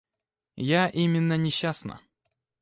Я именно несчастна.